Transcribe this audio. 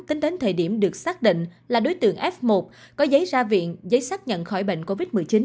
tính đến thời điểm được xác định là đối tượng f một có giấy ra viện giấy xác nhận khỏi bệnh covid một mươi chín